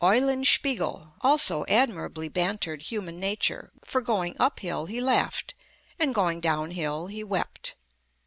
Eulenspiegel also admirably bantered human nature, for going uphill he laughed, and going downhill he wept.